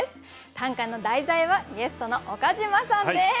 短歌の題材はゲストの岡島さんです。